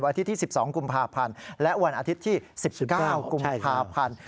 อาทิตย์ที่๑๒กุมภาพันธ์และวันอาทิตย์ที่๑๙กุมภาพันธ์